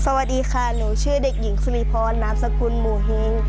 สวัสดีค่ะหนูชื่อเด็กหญิงสุริพรนามสกุลหมู่เฮง